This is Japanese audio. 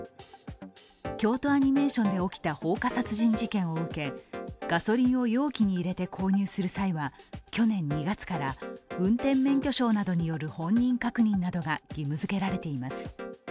京都アニメーションで起きた放火殺人事件を受けガソリンを容器に入れて購入する際は去年２月から運転免許証などによる本人確認が義務付けられています。